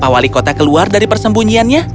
pak wali kota keluar dari persembunyiannya